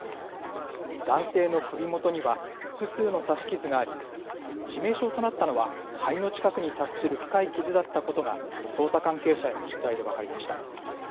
男性の首元には複数の刺し傷があり、致命傷となったのは、肺の近くに達する深い傷だったことが捜査関係者への取材で分かりました。